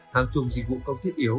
hàng chung dịch vụ công thiết yếu